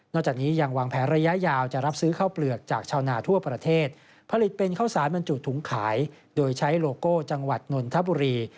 จากนี้ยังวางแผนระยะยาวจะรับซื้อข้าวเปลือกจากชาวนาทั่วประเทศผลิตเป็นข้าวสารบรรจุถุงขายโดยใช้โลโก้จังหวัดนนทบุรี